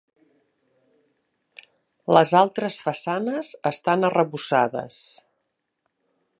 Les altres façanes estan arrebossades.